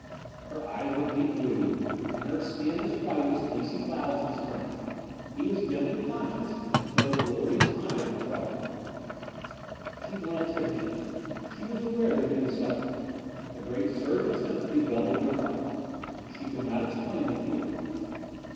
Her eyes were deep blue and her skin as white as fleecy clouds in spring. He was dimly conscious that those glorious eyes were troubled. She glanced at him. She was aware that he was suffering. A great surge of sympathy welled in her heart. She could not explain the feeling.